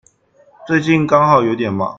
最近剛好有點忙